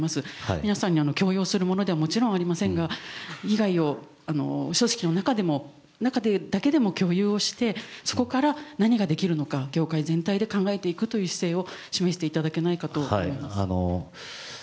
皆さんに強要するものではもちろんありませんが、組織の中だけでも共有をして、そこから何ができるのか、業界全体で考えていく姿勢を示していただけないかと思います。